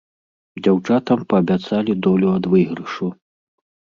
Дзяўчатам паабяцалі долю ад выйгрышу.